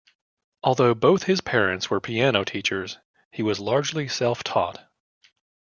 Although both his parents were piano teachers, he was largely self-taught.